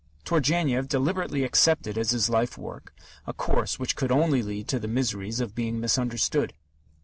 Turgenev deliberately accepted as his life work a course which could only lead to the miseries of being misunderstood.